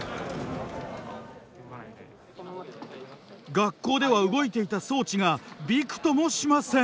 学校では動いていた装置がびくともしません。